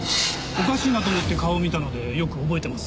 おかしいなと思って顔を見たのでよく覚えてます。